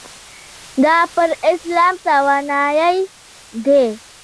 دا پر اسلام توانایۍ ده.